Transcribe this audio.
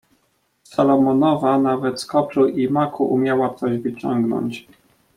"Salomonowa nawet z kopru i maku umiała coś wyciągnąć."